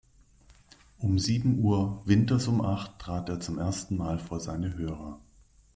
Um sieben Uhr, winters um acht, trat er zum ersten Mal vor seine Hörer.